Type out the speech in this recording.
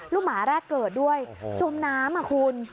หมาแรกเกิดด้วยจมน้ำคุณ